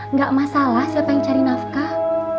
nggak masalah siapa yang cari nafkah